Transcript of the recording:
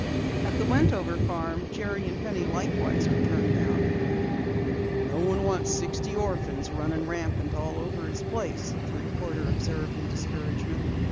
At the Wentover farm, Jerry and Penny likewise were turned down. "No one wants sixty orphans running rampant over his place," the reporter observed in discouragement.